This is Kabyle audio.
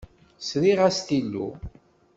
Sriɣ astilu.